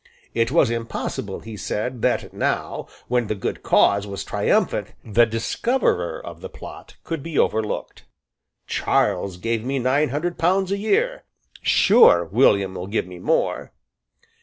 It was impossible, he said, that now, when the good cause was triumphant, the discoverer of the plot could be overlooked. "Charles gave me nine hundred pounds a year. Sure William will give me more."